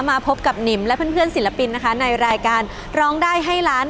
มาพบกับนิมและเพื่อนศิลปินนะคะในรายการร้องได้ให้ล้าน